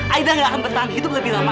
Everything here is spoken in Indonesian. aida nggak akan bertahan hidup lebih lama